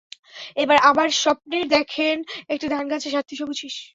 এবার আবার স্বপ্নে দেখেন, একটি ধান গাছে সাতটি সবুজ শীষ।